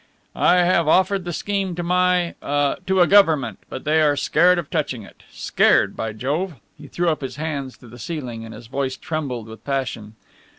"I have offered the scheme to my to a Government. But they are scared of touching it. Scared, by Jove!" He threw up his arms to the ceiling and his voice trembled with passion.